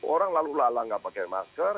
orang lalu lalang nggak pakai masker